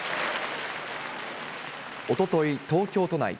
おととい、東京都内。